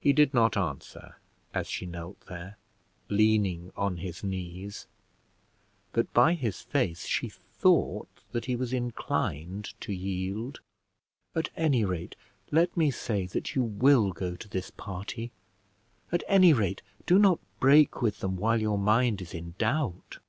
He did not answer, as she knelt there, leaning on his knees, but by his face she thought that he was inclined to yield. "At any rate let me say that you will go to this party. At any rate do not break with them while your mind is in doubt."